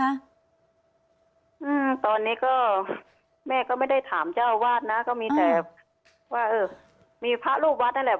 อืมตอนนี้ก็แม่ก็ไม่ได้ถามเจ้าอาวาสนะก็มีแต่ว่าเออมีพระลูกวัดนั่นแหละ